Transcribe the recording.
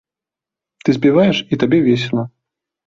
Ты спяваеш, і табе весела.